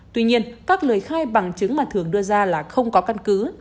tuy nhiên các lời khai bằng chứng mà thường đưa ra là không có căn cứ